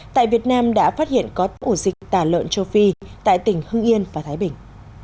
tại việt nam đã phát hiện có ổ dịch tả lợn châu phi tại tỉnh hưng yên và thái bình